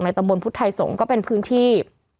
ตำบลพุทธไทยสงฆ์ก็เป็นพื้นที่